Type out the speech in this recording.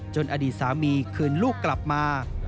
อดีตสามีคืนลูกกลับมา